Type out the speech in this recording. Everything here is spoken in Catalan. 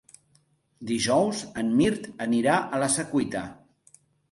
Dijous en Mirt anirà a la Secuita.